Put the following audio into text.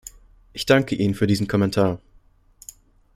Ich danke Ihnen für diesen Kommentar.